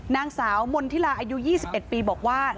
นางสาวมนธิลาอายุ๒๑ปีบอกว่า